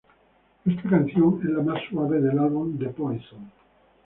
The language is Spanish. Esta canción es la más suave del álbum The Poison.